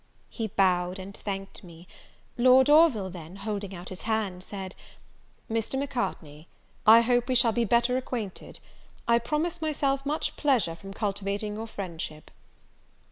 He bowed, and thanked me. Lord Orville, then, holding out his hand, said, "Mr. Macartney, I hope we shall be better acquainted; I promise myself much pleasure from cultivating your friendship."